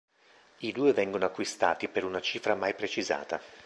I due vengono acquistati per una cifra mai precisata.